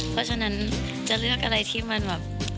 เพราะฉะนั้นจะเลือกอะไรที่มันแบบ